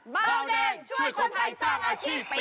เบาแดงช่วยคนไทยสร้างอาชีพปี๒